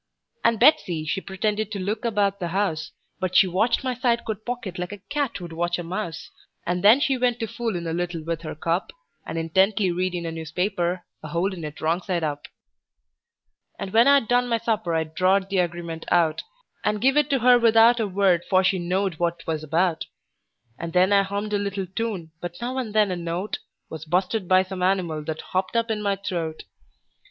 And Betsey, she pretended to look about the house, But she watched my side coat pocket like a cat would watch a mouse: And then she went to foolin' a little with her cup, And intently readin' a newspaper, a holdin' it wrong side up. "AND INTENTLY READIN' A NEWSPAPER, A HOLDIN' IT WRONG SIDE UP." And when I'd done my supper I drawed the agreement out, And give it to her without a word, for she knowed what 'twas about; And then I hummed a little tune, but now and then a note Was bu'sted by some animal that hopped up in my throat.